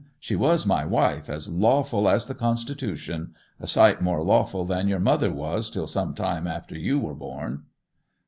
She was my wife as lawful as the Constitution—a sight more lawful than your mother was till some time after you were born!